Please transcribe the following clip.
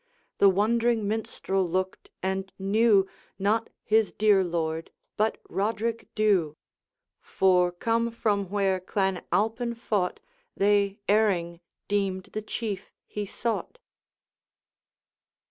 The wondering Minstrel looked, and knew Not his dear lord, but Roderick Dhu! For, come from where Clan Alpine fought, They, erring, deemed the Chief he sought.